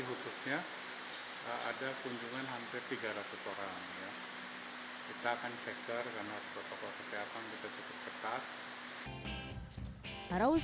khususnya ada kunjungan hampir tiga ratus orang ya kita akan cekar karena protokol kesehatan kita cukup ketat